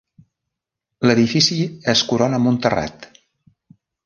L'edifici es corona amb un terrat.